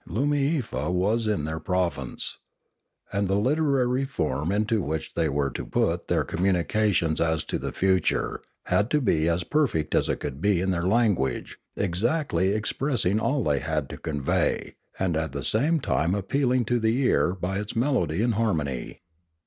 Loomiefa was in 428 Limanora their province. And the literary form into which they were to put their communications as to the future had to be as perfect as it could be in their language, exactly expressing all they had to convey, and at the same time appealing to the ear by its melody and harmony.